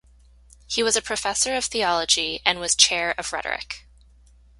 He was a professor of theology and was Chair of Rhetoric.